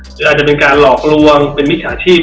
หรืออาจจะเป็นการหลอกลวงเป็นมิจฉาชีพ